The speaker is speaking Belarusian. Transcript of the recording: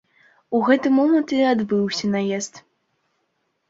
У гэты момант і адбыўся наезд.